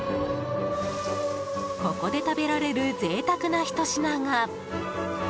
ここで食べられる贅沢なひと品が。